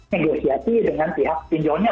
negosiasi dengan pihak pinjolnya